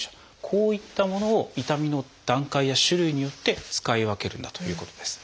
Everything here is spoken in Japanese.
こういったものを痛みの段階や種類によって使い分けるんだということです。